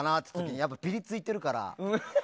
やっぱり、ぴりついてるから。